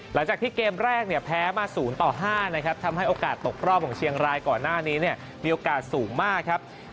หลังจากที่เกมแรกเนี่ยแพ้มา๐ต่อ๕นะครับทำให้โอกาสตกรอบของเชียงรายก่อนหน้านี้เนี่ยมีโอกาสสูงมากครับ